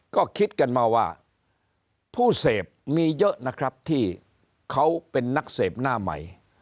ก็คิดกันมาว่าผู้เสพมีเยอะนะครับที่เขาเป็นนักเสพหน้าใหม่